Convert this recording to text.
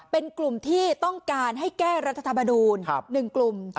เป็นกลุ่มที่ต้องการให้แก้รัฐธรรมนูล๑กลุ่ม